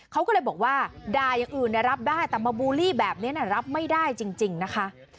เขาก็เลยบอกว่าด่าอย่างอื่นรับได้แต่มาบูลลี่แบบนี้รับไม่ได้จริงนะคะ